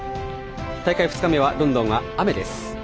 大会２日目は、ロンドンは雨です。